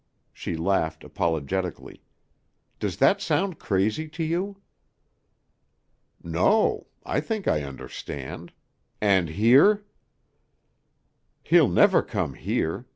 She laughed apologetically. "Does that sound crazy to you?" "No. I think I understand. And here?" "He'll never come here.